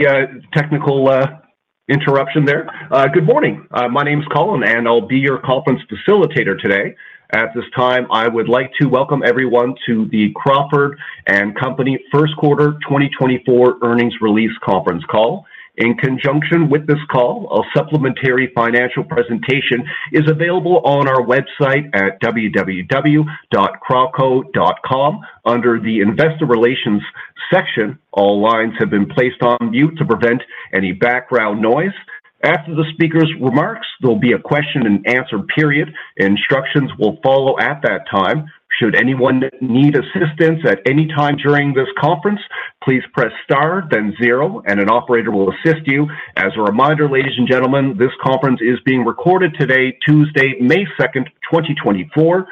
Yeah, technical interruption there. Good morning. My name's Colin, and I'll be your conference facilitator today. At this time, I would like to welcome everyone to the Crawford & Company First Quarter 2024 Earnings Release Conference call. In conjunction with this call, a supplementary financial presentation is available on our website at www.crawford.com. Under the Investor Relations section, all lines have been placed on mute to prevent any background noise. After the speaker's remarks, there'll be a question-and-answer period. Instructions will follow at that time. Should anyone need assistance at any time during this conference, please press star, then zero, and an operator will assist you. As a reminder, ladies and gentlemen, this conference is being recorded today, Tuesday, May 7th, 2024.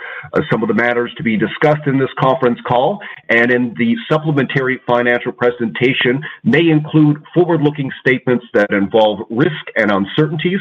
Some of the matters to be discussed in this conference call and in the supplementary financial presentation may include forward-looking statements that involve risk and uncertainties.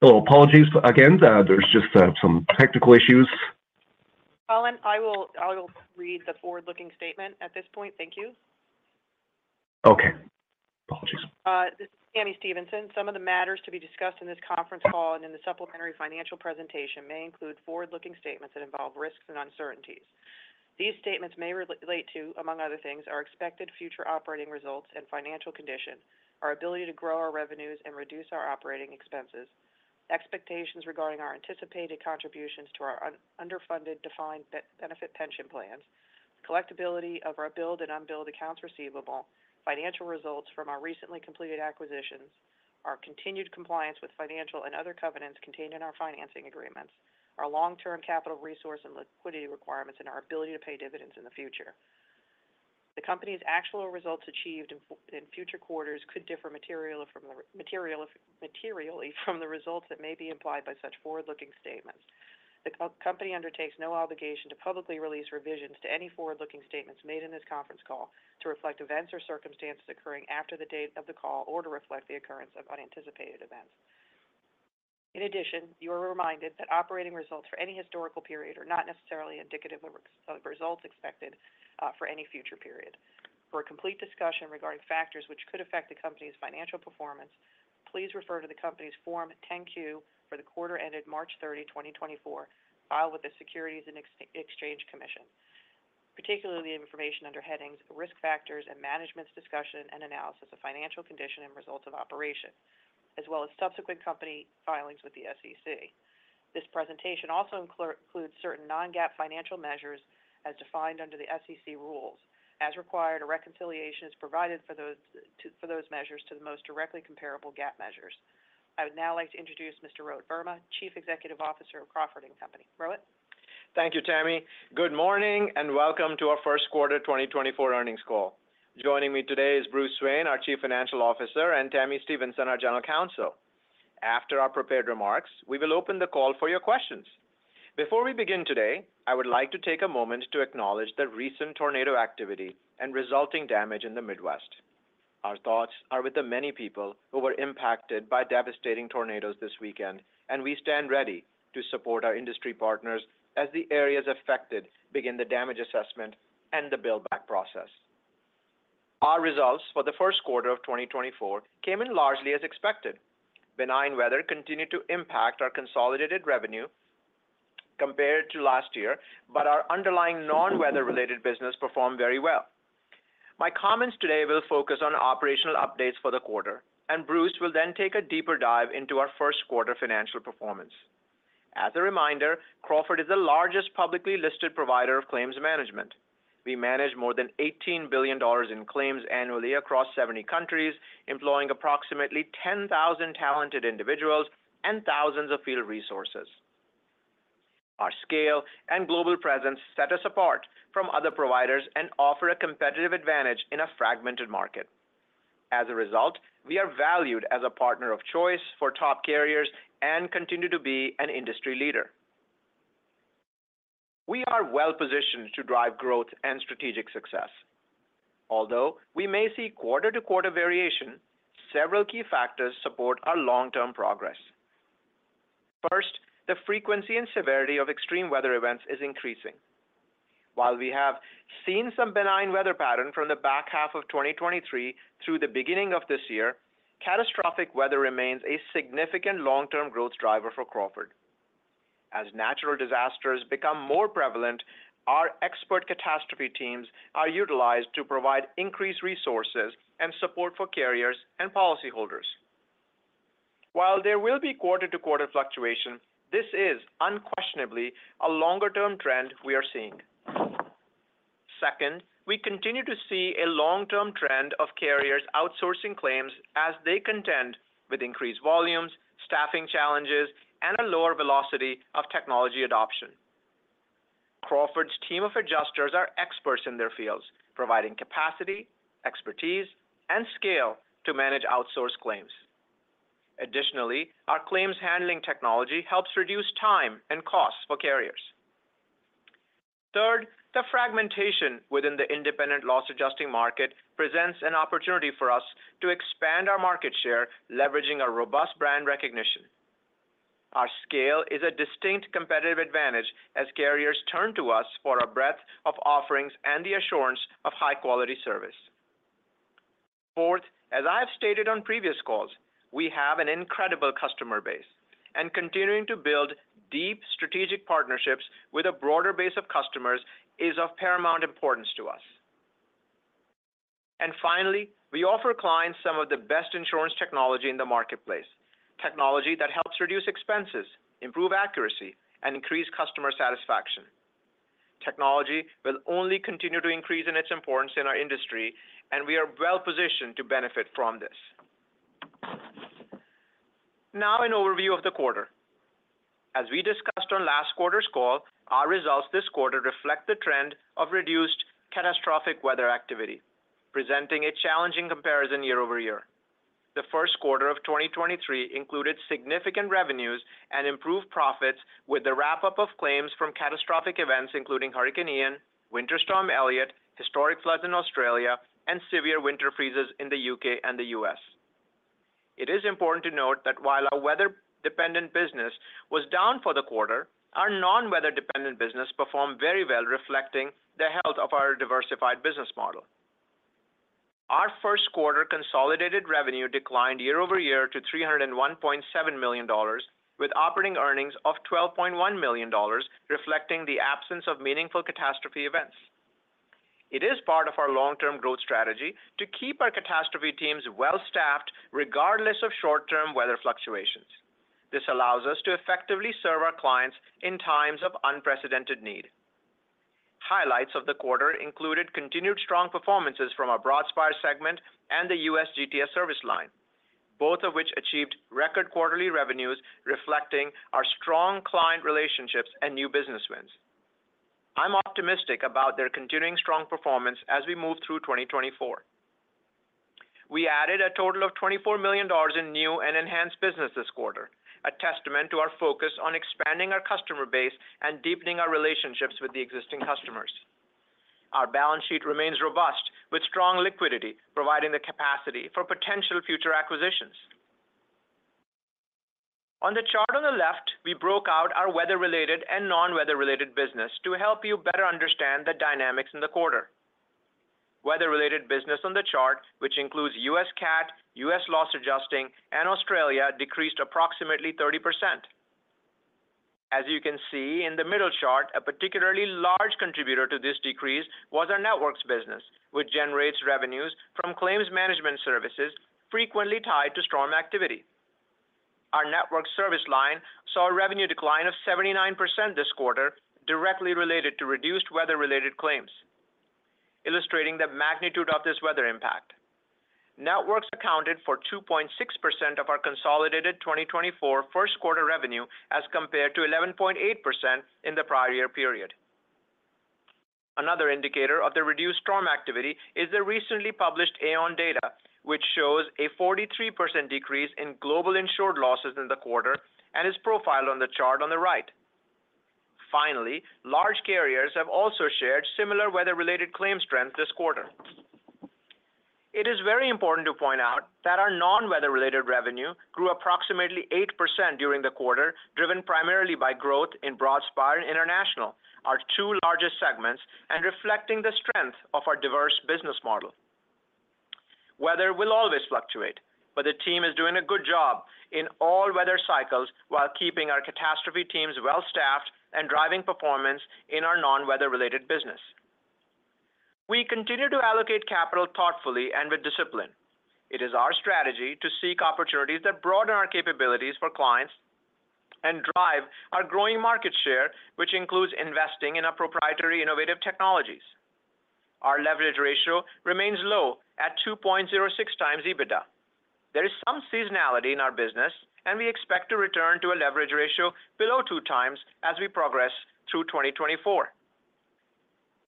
Hello. Apologies again. There's just some technical issues. Colin, I will read the forward-looking statement at this point. Thank you. Okay. Apologies. This is Tami Stevenson. Some of the matters to be discussed in this conference call and in the supplementary financial presentation may include forward-looking statements that involve risks and uncertainties. These statements may relate to, among other things, our expected future operating results and financial condition, our ability to grow our revenues and reduce our operating expenses, expectations regarding our anticipated contributions to our underfunded defined benefit pension plans, the collectibility of our billed and unbilled accounts receivable, financial results from our recently completed acquisitions, our continued compliance with financial and other covenants contained in our financing agreements, our long-term capital resource and liquidity requirements, and our ability to pay dividends in the future. The company's actual results achieved in future quarters could differ materially from the results that may be implied by such forward-looking statements. The company undertakes no obligation to publicly release revisions to any forward-looking statements made in this conference call to reflect events or circumstances occurring after the date of the call or to reflect the occurrence of unanticipated events. In addition, you are reminded that operating results for any historical period are not necessarily indicative of results expected for any future period. For a complete discussion regarding factors which could affect the company's financial performance, please refer to the company's Form 10-Q for the quarter ended March 31, 2024, filed with the Securities and Exchange Commission, particularly the information under headings Risk Factors and Management's Discussion and Analysis of Financial Condition and Results of Operations, as well as subsequent company filings with the SEC. This presentation also includes certain non-GAAP financial measures as defined under the SEC rules. As required, a reconciliation is provided for those measures to the most directly comparable GAAP measures. I would now like to introduce Mr. Rohit Verma, Chief Executive Officer of Crawford & Company. Rohit. Thank you, Tami. Good morning and welcome to our First Quarter 2024 Earnings call. Joining me today is Bruce Swain, our Chief Financial Officer, and Tami Stevenson, our General Counsel. After our prepared remarks, we will open the call for your questions. Before we begin today, I would like to take a moment to acknowledge the recent tornado activity and resulting damage in the Midwest. Our thoughts are with the many people who were impacted by devastating tornadoes this weekend, and we stand ready to support our industry partners as the areas affected begin the damage assessment and the buildback process. Our results for the first quarter of 2024 came in largely as expected. Benign weather continued to impact our consolidated revenue compared to last year, but our underlying non-weather-related business performed very well. My comments today will focus on operational updates for the quarter, and Bruce will then take a deeper dive into our first quarter financial performance. As a reminder, Crawford is the largest publicly listed provider of claims management. We manage more than $18 billion in claims annually across 70 countries, employing approximately 10,000 talented individuals and thousands of field resources. Our scale and global presence set us apart from other providers and offer a competitive advantage in a fragmented market. As a result, we are valued as a partner of choice for top carriers and continue to be an industry leader. We are well-positioned to drive growth and strategic success. Although we may see quarter-to-quarter variation, several key factors support our long-term progress. First, the frequency and severity of extreme weather events is increasing. While we have seen some benign weather pattern from the back half of 2023 through the beginning of this year, catastrophic weather remains a significant long-term growth driver for Crawford. As natural disasters become more prevalent, our expert catastrophe teams are utilized to provide increased resources and support for carriers and policyholders. While there will be quarter-to-quarter fluctuation, this is unquestionably a longer-term trend we are seeing. Second, we continue to see a long-term trend of carriers outsourcing claims as they contend with increased volumes, staffing challenges, and a lower velocity of technology adoption. Crawford's team of adjusters are experts in their fields, providing capacity, expertise, and scale to manage outsourced claims. Additionally, our claims handling technology helps reduce time and costs for carriers. Third, the fragmentation within the independent loss-adjusting market presents an opportunity for us to expand our market share, leveraging our robust brand recognition. Our scale is a distinct competitive advantage as carriers turn to us for a breadth of offerings and the assurance of high-quality service. Fourth, as I have stated on previous calls, we have an incredible customer base, and continuing to build deep strategic partnerships with a broader base of customers is of paramount importance to us. And finally, we offer clients some of the best insurance technology in the marketplace, technology that helps reduce expenses, improve accuracy, and increase customer satisfaction. Technology will only continue to increase in its importance in our industry, and we are well-positioned to benefit from this. Now, an overview of the quarter. As we discussed on last quarter's call, our results this quarter reflect the trend of reduced catastrophic weather activity, presenting a challenging comparison year over year. The first quarter of 2023 included significant revenues and improved profits with the wrap-up of claims from catastrophic events including Hurricane Ian, Winter Storm Elliott, historic floods in Australia, and severe winter freezes in the U.K. and the U.S. It is important to note that while our weather-dependent business was down for the quarter, our non-weather-dependent business performed very well, reflecting the health of our diversified business model. Our first quarter consolidated revenue declined year-over-year to $301.7 million, with operating earnings of $12.1 million reflecting the absence of meaningful catastrophe events. It is part of our long-term growth strategy to keep our catastrophe teams well-staffed regardless of short-term weather fluctuations. This allows us to effectively serve our clients in times of unprecedented need. Highlights of the quarter included continued strong performances from our Broadspire segment and the U.S. GTS service line, both of which achieved record quarterly revenues reflecting our strong client relationships and new business wins. I'm optimistic about their continuing strong performance as we move through 2024. We added a total of $24 million in new and enhanced business this quarter, a testament to our focus on expanding our customer base and deepening our relationships with the existing customers. Our balance sheet remains robust, with strong liquidity providing the capacity for potential future acquisitions. On the chart on the left, we broke out our weather-related and non-weather-related business to help you better understand the dynamics in the quarter. Weather-related business on the chart, which includes U.S. CAT, U.S. Loss Adjusting, and Australia, decreased approximately 30%. As you can see in the middle chart, a particularly large contributor to this decrease was our Networks business, which generates revenues from claims management services frequently tied to storm activity. Our Networks service line saw a revenue decline of 79% this quarter, directly related to reduced weather-related claims, illustrating the magnitude of this weather impact. Networks accounted for 2.6% of our consolidated 2024 first quarter revenue as compared to 11.8% in the prior year period. Another indicator of the reduced storm activity is the recently published Aon data, which shows a 43% decrease in global insured losses in the quarter and is profiled on the chart on the right. Finally, large carriers have also shared similar weather-related claims trends this quarter. It is very important to point out that our non-weather-related revenue grew approximately 8% during the quarter, driven primarily by growth in Broadspire and International, our two largest segments, and reflecting the strength of our diverse business model. Weather will always fluctuate, but the team is doing a good job in all weather cycles while keeping our catastrophe teams well-staffed and driving performance in our non-weather-related business. We continue to allocate capital thoughtfully and with discipline. It is our strategy to seek opportunities that broaden our capabilities for clients and drive our growing market share, which includes investing in our proprietary innovative technologies. Our leverage ratio remains low at 2.06 times EBITDA. There is some seasonality in our business, and we expect to return to a leverage ratio below two times as we progress through 2024.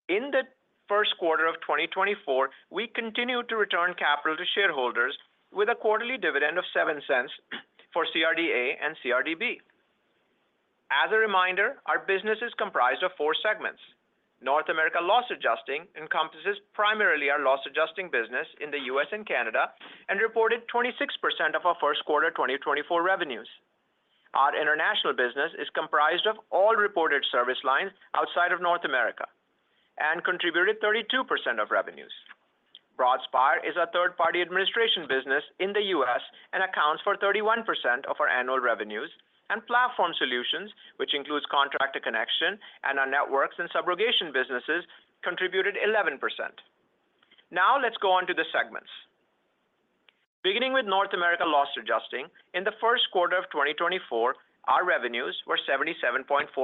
In the first quarter of 2024, we continue to return capital to shareholders with a quarterly dividend of $0.07 for CRDA and CRDB. As a reminder, our business is comprised of four segments. North America Loss Adjusting encompasses primarily our loss-adjusting business in the U.S. and Canada and reported 26% of our first quarter 2024 revenues. Our international business is comprised of all reported service lines outside of North America and contributed 32% of revenues. Broadspire is a third-party administration business in the U.S. and accounts for 31% of our annual revenues, and Platform Solutions, which includes Contractor Connection and our Networks and Subrogation businesses, contributed 11%. Now let's go on to the segments. Beginning with North America Loss Adjusting, in the first quarter of 2024, our revenues were $77.4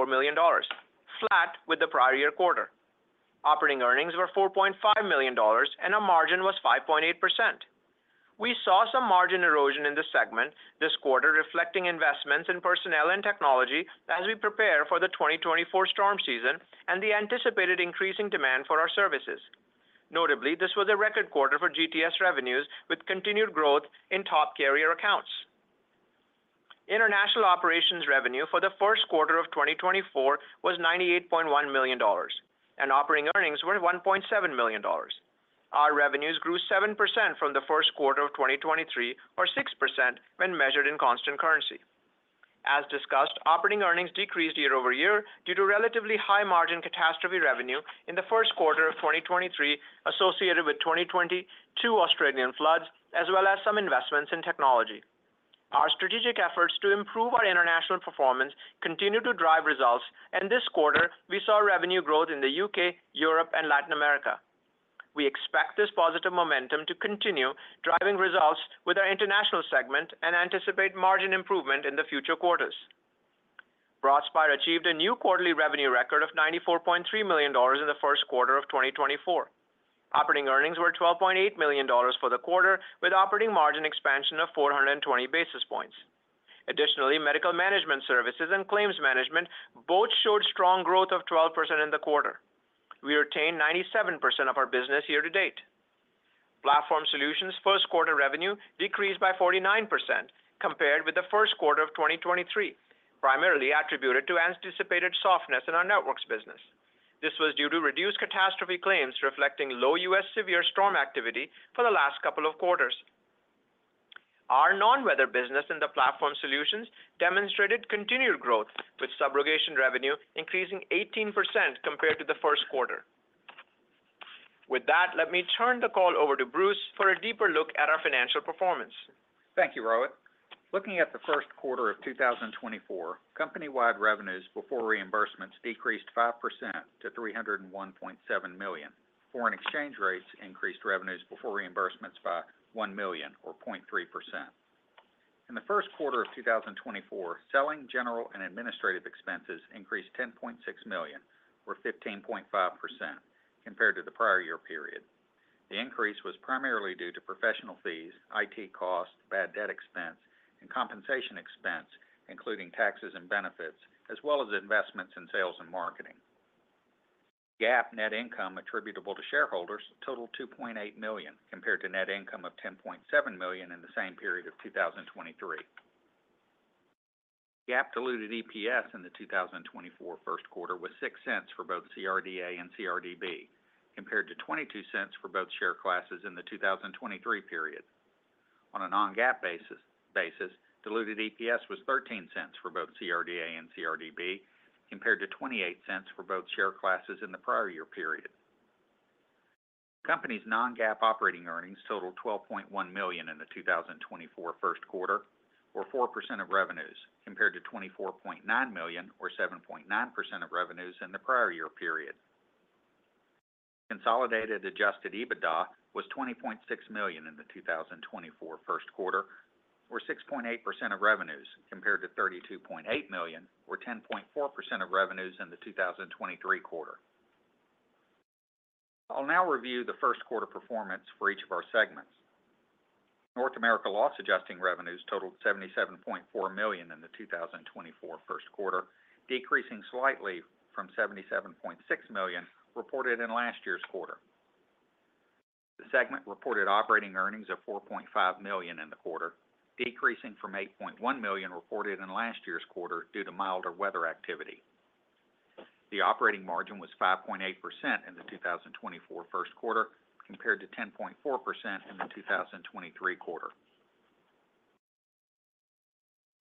million, flat with the prior year quarter. Operating earnings were $4.5 million, and our margin was 5.8%. We saw some margin erosion in this segment this quarter, reflecting investments in personnel and technology as we prepare for the 2024 storm season and the anticipated increasing demand for our services. Notably, this was a record quarter for GTS revenues, with continued growth in top carrier accounts. International Operations revenue for the first quarter of 2024 was $98.1 million, and operating earnings were $1.7 million. Our revenues grew 7% from the first quarter of 2023, or 6% when measured in constant currency. As discussed, operating earnings decreased year over year due to relatively high margin catastrophe revenue in the first quarter of 2023 associated with 2022 Australian floods, as well as some investments in technology. Our strategic efforts to improve our international performance continue to drive results, and this quarter we saw revenue growth in the U.K., Europe, and Latin America. We expect this positive momentum to continue driving results with our international segment and anticipate margin improvement in the future quarters. Broadspire achieved a new quarterly revenue record of $94.3 million in the first quarter of 2024. Operating earnings were $12.8 million for the quarter, with operating margin expansion of 420 basis points. Additionally, medical management services and claims management both showed strong growth of 12% in the quarter. We retained 97% of our business year to date. Platform Solutions' first quarter revenue decreased by 49% compared with the first quarter of 2023, primarily attributed to anticipated softness in our Networks business. This was due to reduced catastrophe claims reflecting low U.S. severe storm activity for the last couple of quarters. Our non-weather business and the Platform Solutions demonstrated continued growth, with Subrogation revenue increasing 18% compared to the first quarter. With that, let me turn the call over to Bruce for a deeper look at our financial performance. Thank you, Rohit. Looking at the first quarter of 2024, company-wide revenues before reimbursements decreased 5% to $301.7 million. Foreign exchange rates increased revenues before reimbursements by $1 million, or 0.3%. In the first quarter of 2024, selling, general, and administrative expenses increased $10.6 million, or 15.5%, compared to the prior year period. The increase was primarily due to professional fees, IT costs, bad debt expense, and compensation expense, including taxes and benefits, as well as investments in sales and marketing. GAAP net income attributable to shareholders totaled $2.8 million, compared to net income of $10.7 million in the same period of 2023. GAAP diluted EPS in the 2024 first quarter was $0.06 for both CRDA and CRDB, compared to $0.22 for both share classes in the 2023 period. On a non-GAAP basis, diluted EPS was $0.13 for both CRDA and CRDB, compared to $0.28 for both share classes in the prior year period. The company's non-GAAP operating earnings totaled $12.1 million in the 2024 first quarter, or 4% of revenues, compared to $24.9 million, or 7.9% of revenues in the prior year period. Consolidated adjusted EBITDA was $20.6 million in the 2024 first quarter, or 6.8% of revenues, compared to $32.8 million, or 10.4% of revenues in the 2023 quarter. I'll now review the first quarter performance for each of our segments. North America Loss Adjusting revenues totaled $77.4 million in the 2024 first quarter, decreasing slightly from $77.6 million reported in last year's quarter. The segment reported operating earnings of $4.5 million in the quarter, decreasing from $8.1 million reported in last year's quarter due to milder weather activity. The operating margin was 5.8% in the 2024 first quarter, compared to 10.4% in the 2023 quarter.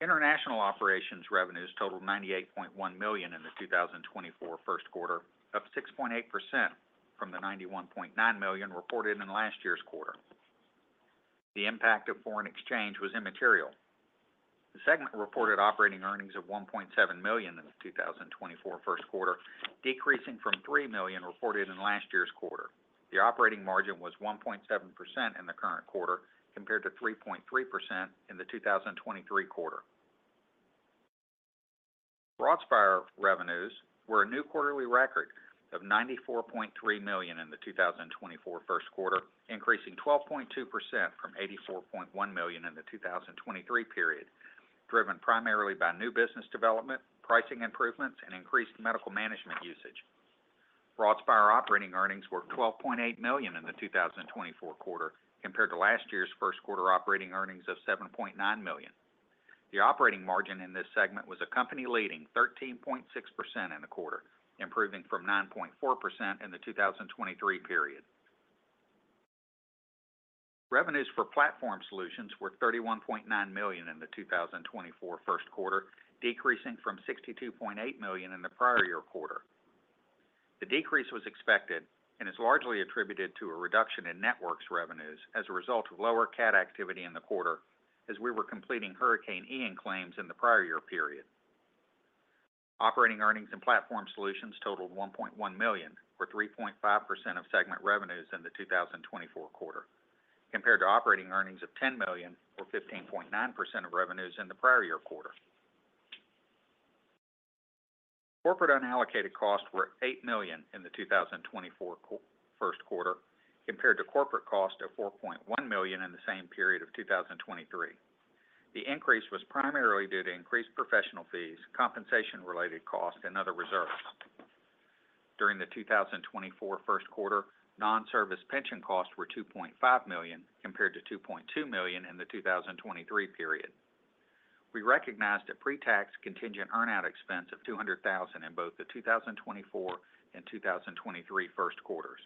International Operations revenues totaled $98.1 million in the 2024 first quarter, up 6.8% from the $91.9 million reported in last year's quarter. The impact of foreign exchange was immaterial. The segment reported operating earnings of $1.7 million in the 2024 first quarter, decreasing from $3 million reported in last year's quarter. The operating margin was 1.7% in the current quarter, compared to 3.3% in the 2023 quarter. Broadspire revenues were a new quarterly record of $94.3 million in the 2024 first quarter, increasing 12.2% from $84.1 million in the 2023 period, driven primarily by new business development, pricing improvements, and increased medical management usage. Broadspire operating earnings were $12.8 million in the 2024 quarter, compared to last year's first quarter operating earnings of $7.9 million. The operating margin in this segment was a company-leading 13.6% in the quarter, improving from 9.4% in the 2023 period. Revenues for Platform Solutions were $31.9 million in the 2024 first quarter, decreasing from $62.8 million in the prior year quarter. The decrease was expected and is largely attributed to a reduction in Networks revenues as a result of lower CAT activity in the quarter, as we were completing Hurricane Ian claims in the prior year period. Operating earnings in Platform Solutions totaled $1.1 million, or 3.5% of segment revenues in the 2024 quarter, compared to operating earnings of $10 million, or 15.9% of revenues in the prior year quarter. Corporate unallocated costs were $8 million in the 2024 first quarter, compared to corporate costs of $4.1 million in the same period of 2023. The increase was primarily due to increased professional fees, compensation-related costs, and other reserves. During the 2024 first quarter, non-service pension costs were $2.5 million, compared to $2.2 million in the 2023 period. We recognized a pre-tax contingent earnout expense of $200,000 in both the 2024 and 2023 first quarters.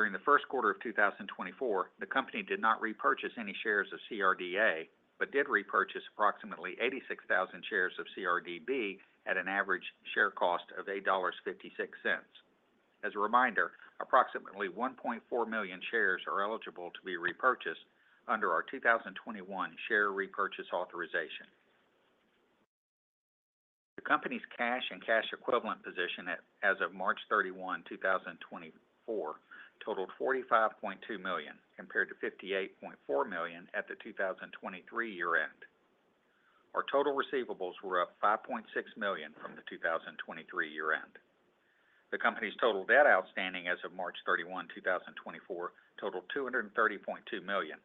During the first quarter of 2024, the company did not repurchase any shares of CRDA but did repurchase approximately 86,000 shares of CRDB at an average share cost of $8.56. As a reminder, approximately 1.4 million shares are eligible to be repurchased under our 2021 share repurchase authorization. The company's cash and cash equivalent position as of March 31, 2024, totaled $45.2 million, compared to $58.4 million at the 2023 year-end. Our total receivables were up $5.6 million from the 2023 year-end. The company's total debt outstanding as of March 31, 2024, totaled $230.2 million,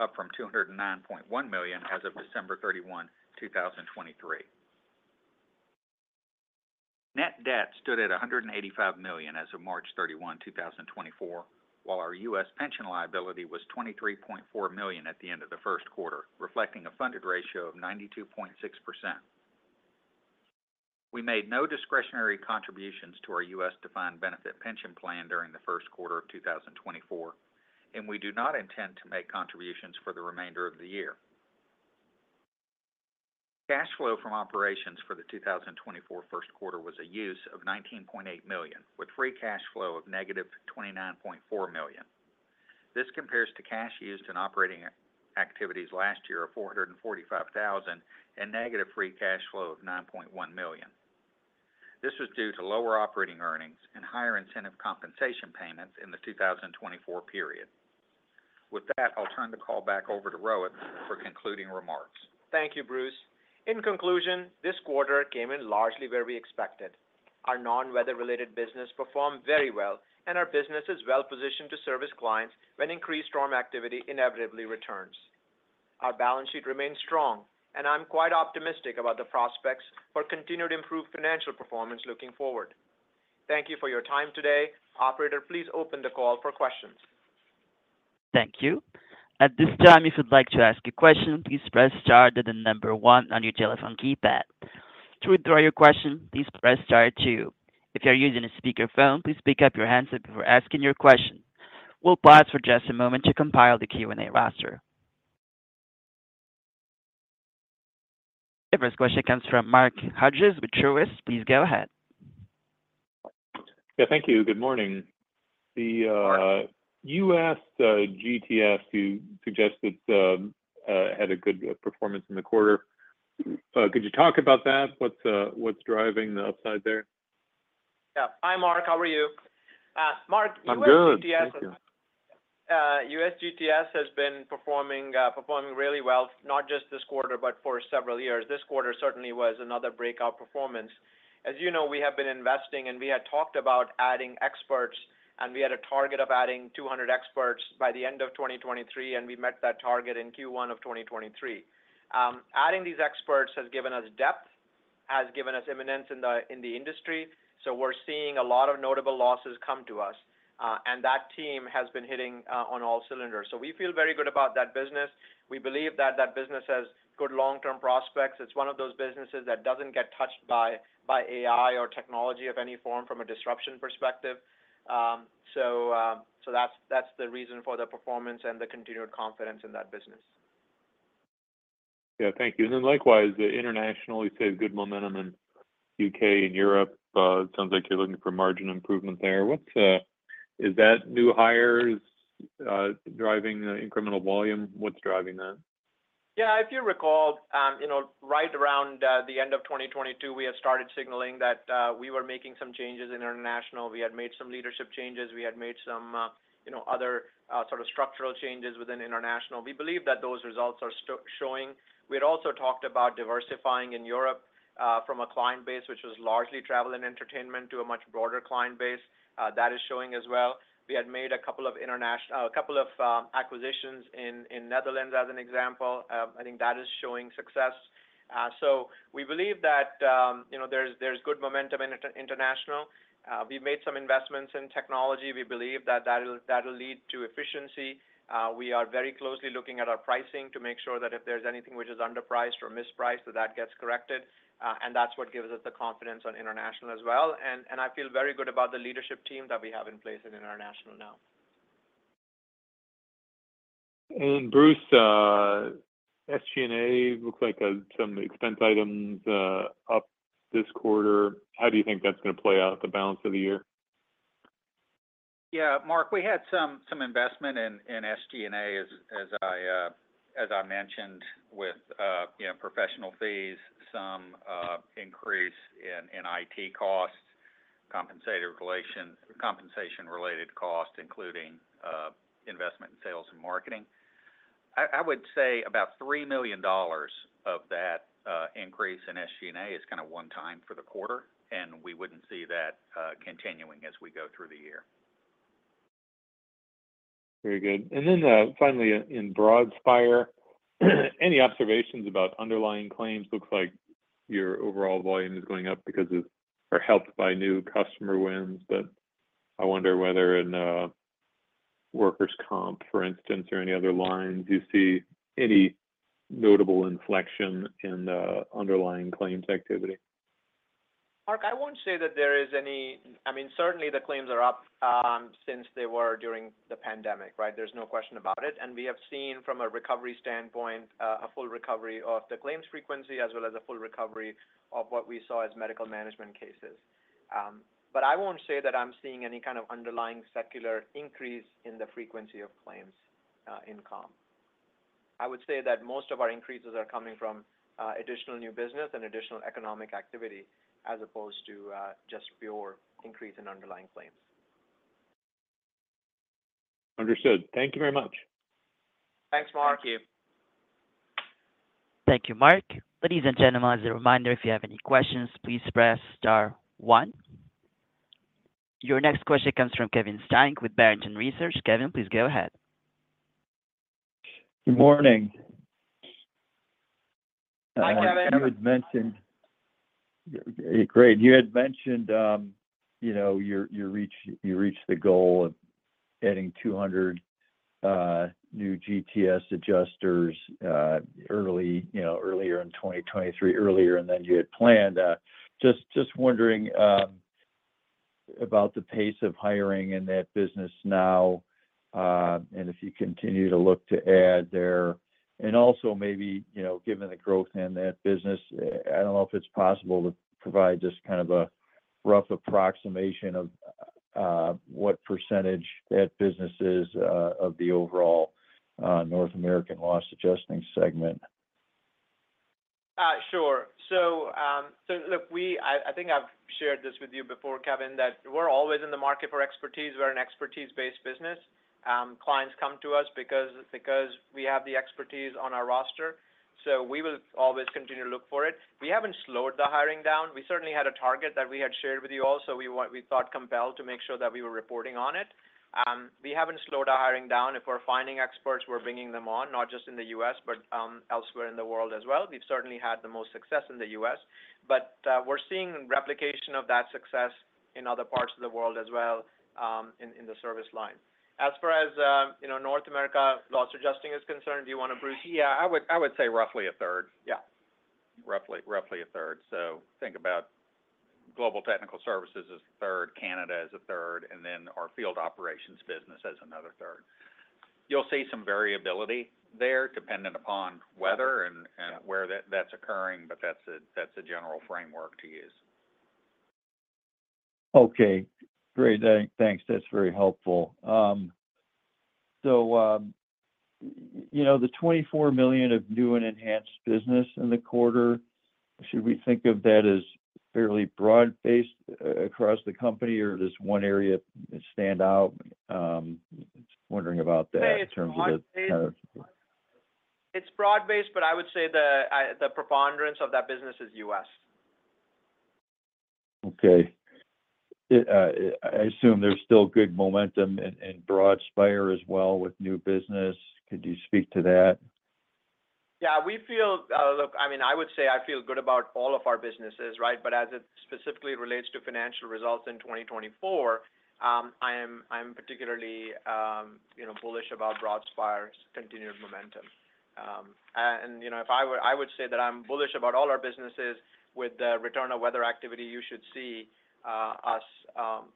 up from $209.1 million as of December 31, 2023. Net debt stood at $185 million as of March 31, 2024, while our U.S. pension liability was $23.4 million at the end of the first quarter, reflecting a funded ratio of 92.6%. We made no discretionary contributions to our U.S. Defined Benefit Pension Plan during the first quarter of 2024, and we do not intend to make contributions for the remainder of the year. Cash flow from operations for the 2024 first quarter was a use of $19.8 million, with free cash flow of negative $29.4 million. This compares to cash used in operating activities last year of $445,000 and negative free cash flow of $9.1 million. This was due to lower operating earnings and higher incentive compensation payments in the 2024 period. With that, I'll turn the call back over to Rohit for concluding remarks. Thank you, Bruce. In conclusion, this quarter came in largely where we expected. Our non-weather-related business performed very well, and our business is well-positioned to service clients when increased storm activity inevitably returns. Our balance sheet remains strong, and I'm quite optimistic about the prospects for continued improved financial performance looking forward. Thank you for your time today. Operator, please open the call for questions. Thank you. At this time, if you'd like to ask a question, please press star one on your telephone keypad. To withdraw your question, please press star two. If you're using a speakerphone, please pick up the handset before asking your question. We'll pause for just a moment to compile the Q&A roster. The first question comes from Mark Hughes with Truist. Please go ahead. Yeah, thank you. Good morning. The U.S. GTS suggested it had a good performance in the quarter. Could you talk about that? What's driving the upside there? Yeah. Hi, Mark. How are you? Mark, U.S. GTS has been performing really well, not just this quarter but for several years. This quarter certainly was another breakout performance. As you know, we have been investing, and we had talked about adding experts, and we had a target of adding 200 experts by the end of 2023, and we met that target in Q1 of 2023. Adding these experts has given us depth, has given us eminence in the industry, so we're seeing a lot of notable losses come to us, and that team has been hitting on all cylinders. So we feel very good about that business. We believe that that business has good long-term prospects. It's one of those businesses that doesn't get touched by AI or technology of any form from a disruption perspective. That's the reason for the performance and the continued confidence in that business. Yeah, thank you. And then likewise, internationally, you said good momentum in the U.K. and Europe. It sounds like you're looking for margin improvement there. Is that new hires driving incremental volume? What's driving that? Yeah. If you recall, right around the end of 2022, we had started signaling that we were making some changes internationally. We had made some leadership changes. We had made some other sort of structural changes within international. We believe that those results are showing. We had also talked about diversifying in Europe from a client base, which was largely travel and entertainment, to a much broader client base. That is showing as well. We had made a couple of acquisitions in Netherlands, as an example. I think that is showing success. So we believe that there's good momentum internationally. We've made some investments in technology. We believe that that'll lead to efficiency. We are very closely looking at our pricing to make sure that if there's anything which is underpriced or mispriced, that that gets corrected, and that's what gives us the confidence on international as well. I feel very good about the leadership team that we have in place in International now. Bruce, SG&A looks like some expense items up this quarter. How do you think that's going to play out the balance of the year? Yeah. Mark, we had some investment in SG&A, as I mentioned, with professional fees, some increase in IT costs, compensation-related costs, including investment in sales and marketing. I would say about $3 million of that increase in SG&A is kind of one-time for the quarter, and we wouldn't see that continuing as we go through the year. Very good. And then finally, in Broadspire, any observations about underlying claims? Looks like your overall volume is going up because of or helped by new customer wins, but I wonder whether in Workers' Comp, for instance, or any other lines, you see any notable inflection in underlying claims activity. Mark, I won't say that there is any—I mean, certainly, the claims are up since they were during the pandemic, right? There's no question about it. And we have seen, from a recovery standpoint, a full recovery of the claims frequency as well as a full recovery of what we saw as medical management cases. But I won't say that I'm seeing any kind of underlying secular increase in the frequency of claims in comp. I would say that most of our increases are coming from additional new business and additional economic activity as opposed to just pure increase in underlying claims. Understood. Thank you very much. Thanks, Mark. Thank you. Thank you, Mark. Ladies and gentlemen, as a reminder, if you have any questions, please press Star 1. Your next question comes from Kevin Steinke with Barrington Research. Kevin, please go ahead. Good morning. Hi, Kevin. Mark, you had mentioned great. You had mentioned you reached the goal of adding 200 new GTS adjusters earlier in 2023, earlier, and then you had planned. Just wondering about the pace of hiring in that business now and if you continue to look to add there. And also maybe, given the growth in that business, I don't know if it's possible to provide just kind of a rough approximation of what percentage that business is of the overall North American loss adjusting segment. Sure. So look, I think I've shared this with you before, Kevin, that we're always in the market for expertise. We're an expertise-based business. Clients come to us because we have the expertise on our roster, so we will always continue to look for it. We haven't slowed the hiring down. We certainly had a target that we had shared with you all, so we thought compelled to make sure that we were reporting on it. We haven't slowed our hiring down. If we're finding experts, we're bringing them on, not just in the U.S. but elsewhere in the world as well. We've certainly had the most success in the U.S. but we're seeing replication of that success in other parts of the world as well in the service line. As far as North America loss adjusting is concerned, do you want to, Bruce? Yeah. I would say roughly a third. Yeah. Roughly a third. So think about Global Technical Services as a third, Canada as a third, and then our field operations business as another third. You'll see some variability there dependent upon weather and where that's occurring, but that's a general framework to use. Okay. Great. Thanks. That's very helpful. So the $24 million of new and enhanced business in the quarter, should we think of that as fairly broad-based across the company, or does one area stand out? Just wondering about that in terms of the kind of. It's broad-based, but I would say the preponderance of that business is U.S. Okay. I assume there's still good momentum in Broadspire as well with new business. Could you speak to that? Yeah. Look, I mean, I would say I feel good about all of our businesses, right? But as it specifically relates to financial results in 2024, I'm particularly bullish about Broadspire's continued momentum. And if I would say that I'm bullish about all our businesses, with the return of weather activity, you should see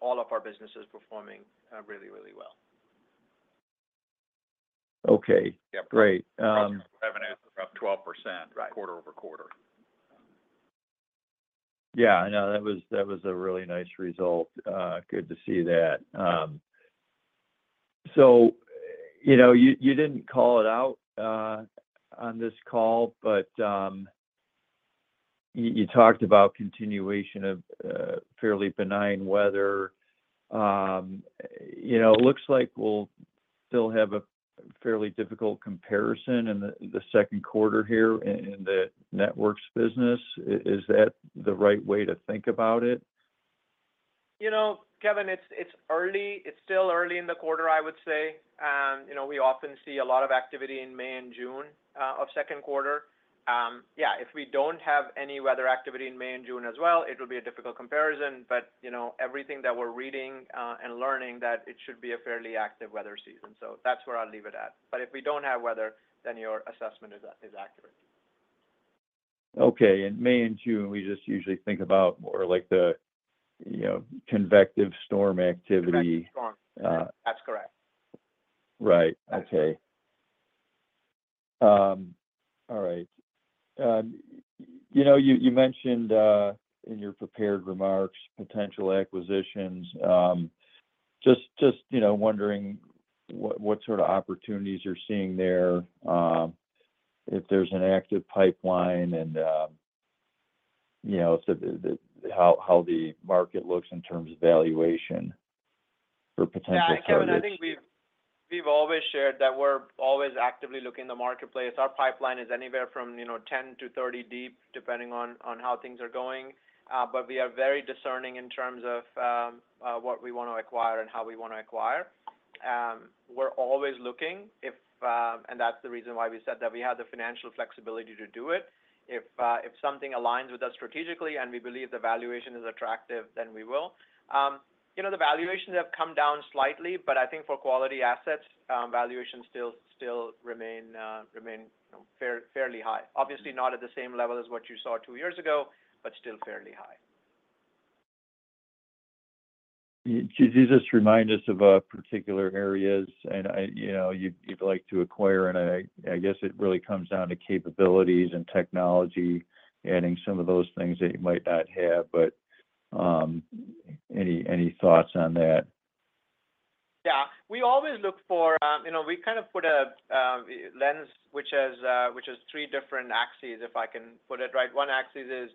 all of our businesses performing really, really well. Okay. Great. Revenues are up 12% quarter-over-quarter. Yeah. I know. That was a really nice result. Good to see that. So you didn't call it out on this call, but you talked about continuation of fairly benign weather. It looks like we'll still have a fairly difficult comparison in the second quarter here in the networks business. Is that the right way to think about it? Kevin, it's still early in the quarter, I would say. We often see a lot of activity in May and June of second quarter. Yeah. If we don't have any weather activity in May and June as well, it'll be a difficult comparison, but everything that we're reading and learning, that it should be a fairly active weather season. So that's where I'll leave it at. But if we don't have weather, then your assessment is accurate. Okay. In May and June, we just usually think about more the convective storm activity. That's correct. That's correct. Right. Okay. All right. You mentioned in your prepared remarks potential acquisitions. Just wondering what sort of opportunities you're seeing there, if there's an active pipeline, and how the market looks in terms of valuation for potential targets? Yeah. Kevin, I think we've always shared that we're always actively looking in the marketplace. Our pipeline is anywhere from 10-30 deep, depending on how things are going, but we are very discerning in terms of what we want to acquire and how we want to acquire. We're always looking, and that's the reason why we said that we have the financial flexibility to do it. If something aligns with us strategically and we believe the valuation is attractive, then we will. The valuations have come down slightly, but I think for quality assets, valuations still remain fairly high. Obviously, not at the same level as what you saw two years ago, but still fairly high. Could you just remind us of particular areas you'd like to acquire? I guess it really comes down to capabilities and technology, adding some of those things that you might not have, but any thoughts on that? Yeah. We always look for we kind of put a lens, which has three different axes, if I can put it right. One axis is,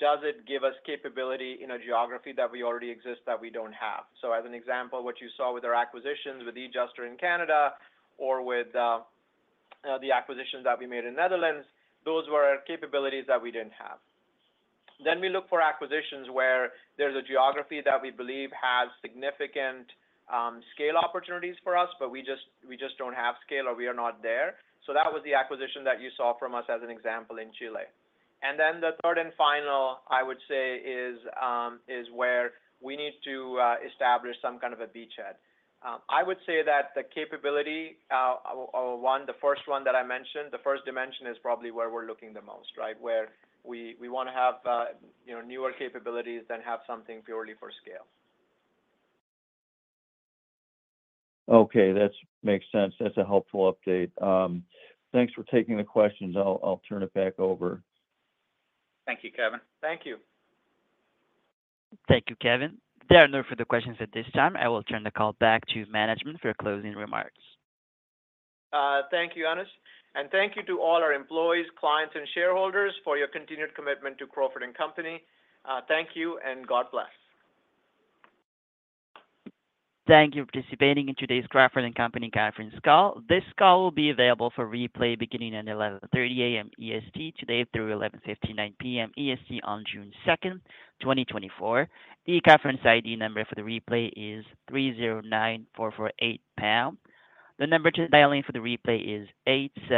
does it give us capability in a geography that we already exist that we don't have? So as an example, what you saw with our acquisitions with Edjuster in Canada or with the acquisitions that we made in Netherlands, those were capabilities that we didn't have. Then we look for acquisitions where there's a geography that we believe has significant scale opportunities for us, but we just don't have scale or we are not there. So that was the acquisition that you saw from us as an example in Chile. And then the third and final, I would say, is where we need to establish some kind of a beachhead. I would say that the capability one, the first one that I mentioned, the first dimension is probably where we're looking the most, right, where we want to have newer capabilities than have something purely for scale. Okay. That makes sense. That's a helpful update. Thanks for taking the questions. I'll turn it back over. Thank you, Kevin. Thank you. Thank you, Kevin. There are no further questions at this time. I will turn the call back to management for closing remarks. Thank you, Anush. Thank you to all our employees, clients, and shareholders for your continued commitment to Crawford & Company. Thank you, and God bless. Thank you for participating in today's Crawford & Company Earnings Call. This call will be available for replay beginning at 11:30 A.M. EST today through 11:59 P.M. EST on June 2nd, 2024. The Earnings Call ID number for the replay is 309448 #. The number to dial in for the replay is 800.